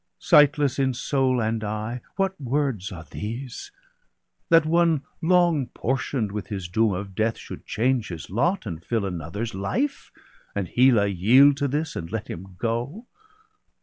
Sightless in soul and eye, what words are these .^ BALDER DEAD. 141 That one, long portion'd with his doom of death, Should change his lot, and fill another's life, And Hela yield to this, and let him go